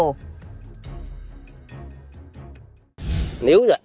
rồi đẩy xuống hồ